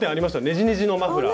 ねじねじのマフラー。